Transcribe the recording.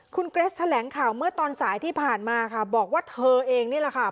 คุณเกรสแถลงข่าวเมื่อตอนสายที่ผ่านมาค่ะบอกว่าเธอเองนี่แหละค่ะ